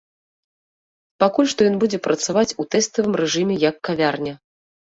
Пакуль што ён будзе працаваць у тэставым рэжыме як кавярня.